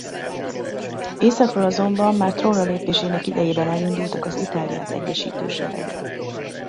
Északról azonban már trónra lépésének idejében elindultak az Itáliát egyesítő seregek.